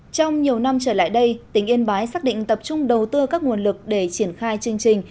trong nhiều năm trở lại đây tỉnh yên bái xác định tập trung đầu tư các nguồn lực để triển khai chương trình